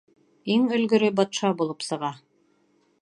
Иң өлгөрө батша булып сыға.